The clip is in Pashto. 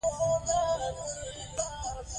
زه هڅه کوم منفي عادتونه کم کړم.